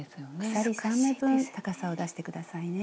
鎖３目分高さを出して下さいね。